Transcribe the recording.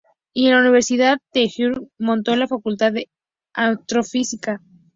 Y en la Universidad de Wyoming montó la Facultad de astrofísica.